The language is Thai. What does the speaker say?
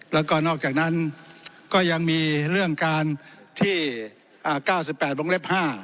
แล้วก็นอกจากนั้นก็ยังมีเรื่องการที่๙๘วงเล็บ๕